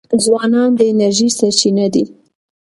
ځوانان د انرژۍ سرچینه دي.